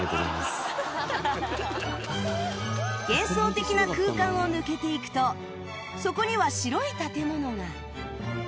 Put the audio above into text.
幻想的な空間を抜けていくとそこには白い建物が